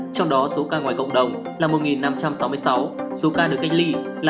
trong đó số ca ngoài cộng đồng là một năm trăm sáu mươi sáu số ca được cách ly là hai một mươi hai